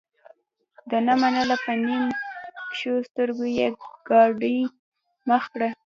ده نه منله په نیم کښو سترګو یې ګاډۍ مخ کړه.